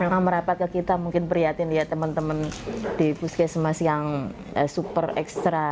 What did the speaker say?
mereka merapat ke kita mungkin prihatin ya teman teman di puskesmas yang super ekstra